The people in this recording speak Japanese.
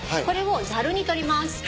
これをざるに取ります。